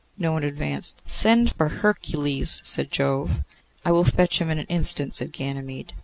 No one advanced. 'Send for Hercules,' said Jove. 'I will fetch him in an instant,' said Ganymede.